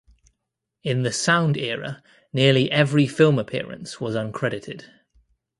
In the sound era nearly every film appearance was uncredited.